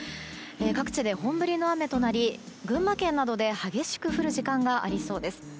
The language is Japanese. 各地で本降りの雨となり群馬県などで激しく降る時間がありそうです。